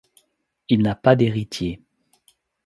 Il n'a pas d'héritier.